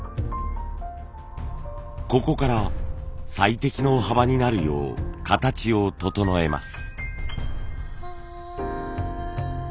ここから最適の幅になるよう形を整えます。